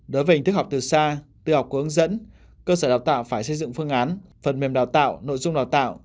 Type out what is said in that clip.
đối với hình thức học từ xa tự học của hướng dẫn cơ sở đào tạo phải xây dựng phương án phần mềm đào tạo nội dung đào tạo